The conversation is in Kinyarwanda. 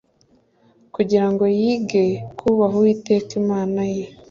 kugira ngo yige kubaha uwiteka imana ye